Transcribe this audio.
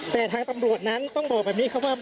แต่ทางตำรวจนั้นต้องบอกแบบนี้ครับว่า